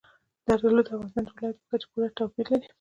زردالو د افغانستان د ولایاتو په کچه پوره توپیر لري.